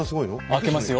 開けますよ。